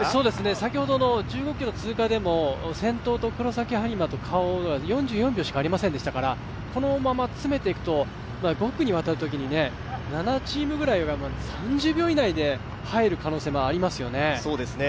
先ほどの１５ｋｍ通過でも先頭と黒崎播磨とＫａｏが４４秒しかありませんでしたからこのまま詰めていけば５区に渡るときに７チームが３０秒以内に入る可能性がありますね。